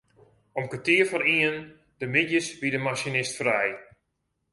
Om kertier foar ienen de middeis wie de masinist frij.